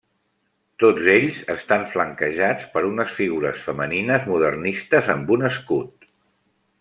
Tots ells estan flanquejats per unes figures femenines modernistes amb un escut.